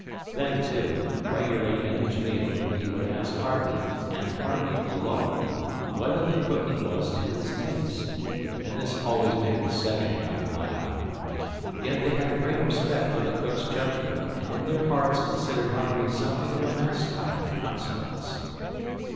Then, too, regularly at each meal, he would ask Harvey, and Harvey alone, whether the cooking was to his taste; and this always made the "second half" laugh. Yet they had a great respect for the cook's judgment, and in their hearts considered Harvey something of a mascot by consequence.